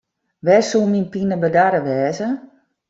Wêr soe myn pinne bedarre wêze?